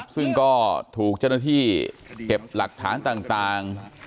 ซึ่งก็ถูกเจ้าหน้าที่เก็บหลักฐานต่าง